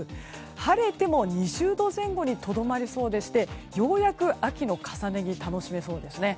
晴れても２０度前後にとどまりそうでしてようやく秋の重ね着楽しめそうですね。